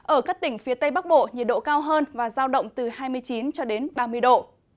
ở các tỉnh phía tây bắc bộ nhiệt độ cao hơn và giao động từ hai mươi chín cho đến ba mươi độ